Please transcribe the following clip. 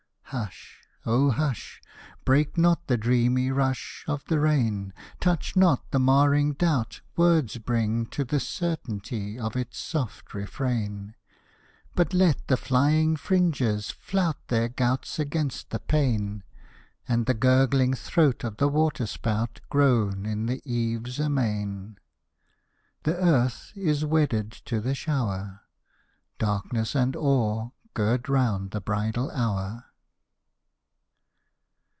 Hush, oh hush! Break not the dreamy rush Of the rain: Touch not the marring doubt Words bring, to the certainty Of its soft refrain, But let the flying fringes flout Their gouts against the pane, And the gurgling throat of the water spout Groan in the eaves amain. The earth is wedded to the shower. Darkness and awe, gird round the bridal hour!